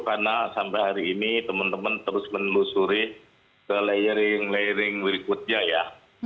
karena sampai hari ini teman teman terus menelusuri ke layering layering berikutnya ya